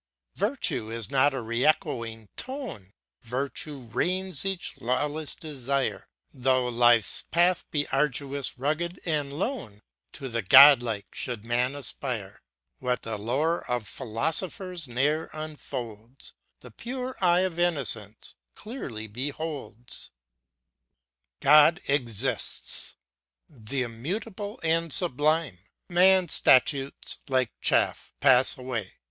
Virtue is not a re echoing tone, Virtue reins each lawless desire; Though Life's path be arduous, rugged and lone, To the God like should man aspire. What the lore of philosophers ne'er unfolds, The pure eye of Innocence clearly beholds. J. C. F. von SCHILLER. 203 God exists: ŌĆö th'Immutable and Sublime; Man's statutes, like chaff, pass away.